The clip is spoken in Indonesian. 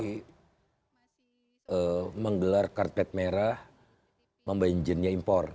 jadi menggelar karpet merah membanjirnya impor